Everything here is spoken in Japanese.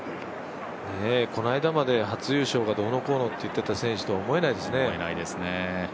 この間まで初優勝がどうのうこうのと言っていた選手とは思えないですね。